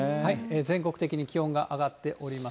全国的に気温が上がっております。